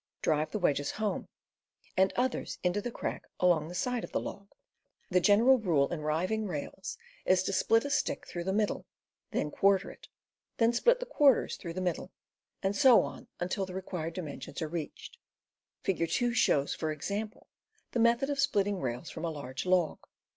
Drive the wedges home, and others in^o the crack along the side of the log. The general 260 CAMPING AND WOODCRAFT rule in riving rails is to split a stick through the middle, then quarter it, then split the quarters through the middle, and so on until the required dimensions are reached. Figure 2 shows, for example, the method of splitting rails from a large log.